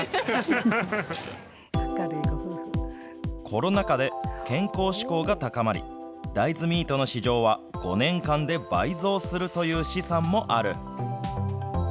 コロナ禍で、健康志向が高まり、大豆ミートの市場は５年間で倍増するという試算もある。